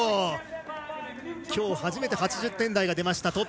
今日初めて８０点台が出ました。